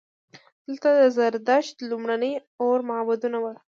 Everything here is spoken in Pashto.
دلته د زردشت لومړني اور معبدونه وو